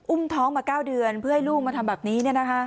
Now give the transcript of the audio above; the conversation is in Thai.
ท้องมา๙เดือนเพื่อให้ลูกมาทำแบบนี้